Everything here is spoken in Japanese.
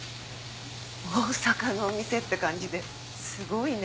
大阪のお店って感じですごいね。